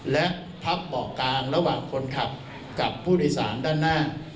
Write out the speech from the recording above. และพับเบาะกลางระหว่างคนขับกับผู้โดยสารด้านหน้า